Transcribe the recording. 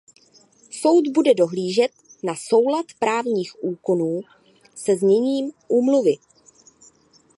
Soud bude dohlížet na soulad právních úkonů se zněním Úmluvy.